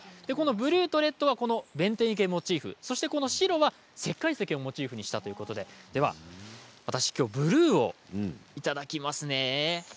ブルーとレッドはこの弁天池がモチーフ白は石灰石をモチーフにしたということで私は今日ブルーをいただきますね。